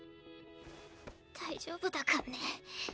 大丈夫だかんね。